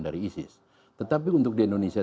dari isis tetapi untuk di indonesia